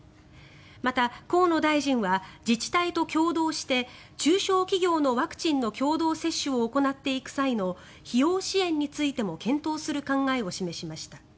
また、河野大臣は自治体と共同して中小企業のワクチンの共同接種を行っていく際の費用支援についても検討する考えを示しました。